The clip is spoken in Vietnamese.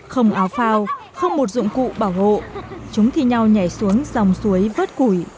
không áo phao không một dụng cụ bảo hộ chúng thi nhau nhảy xuống dòng suối vớt củi